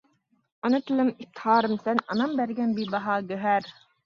ئانا تىلىم ئىپتىخارىمسەن، ئانام بەرگەن بىباھا گۆھەر.